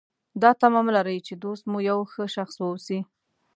دا تمه مه لرئ چې دوست مو یو ښه شخص واوسي.